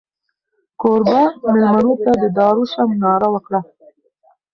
کوربه مېلمنو ته د دارو شه ناره وکړه.